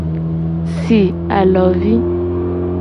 Si alovi.